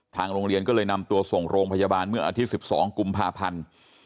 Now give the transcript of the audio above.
ทางโรงเรียนก็เลยนำตัวส่งโรงพยาบาลเมื่ออาทิตย์๑๒กุมภาพันธ์